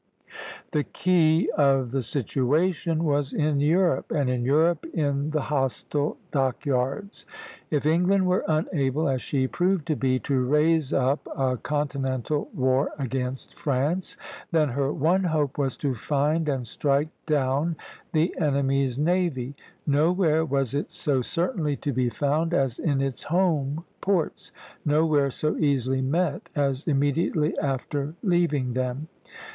The key of the situation was in Europe, and in Europe in the hostile dock yards. If England were unable, as she proved to be, to raise up a continental war against France, then her one hope was to find and strike down the enemy's navy. Nowhere was it so certainly to be found as in its home ports; nowhere so easily met as immediately after leaving them.